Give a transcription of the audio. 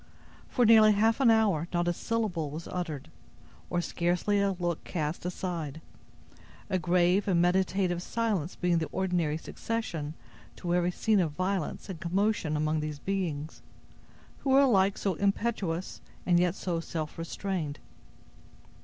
For near half an hour, not a syllable was uttered, or scarcely a look cast aside; a grave and meditative silence being the ordinary succession to every scene of violence and commotion among these beings, who were alike so impetuous and yet so self restrained.